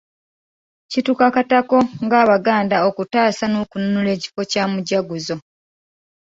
Kitukakatako ng'Abaganda okutaasa n’okununula ekifo kya Mujaguzo.